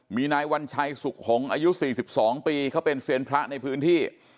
มีนายวัญชัยสุขหงษ์อายุ๔๒ปีเขาเป็นเซียนพระในพื้นที่